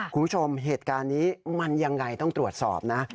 คุณผู้ชมเหตุการณ์นี้มันยังไงต้องตรวจสอบนะ